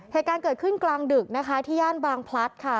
เหตุการณ์เกิดขึ้นกลางดึกนะคะที่ย่านบางพลัดค่ะ